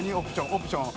オプション？